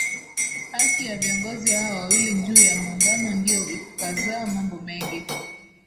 Hasi ya viongozi hawa wawili juu ya Muungano ndiyo ikazaa mambo mengi